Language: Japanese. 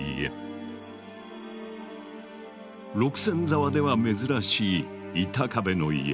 沢では珍しい板壁の家。